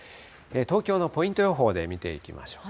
東京のポイント予報で見ていきましょう。